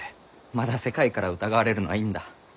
まだ世界から疑われるのはいいんだ。